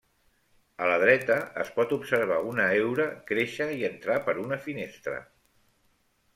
A la dreta es pot observar una heura créixer i entrar per una finestra.